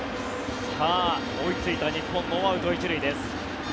追いついた日本ノーアウト１塁です。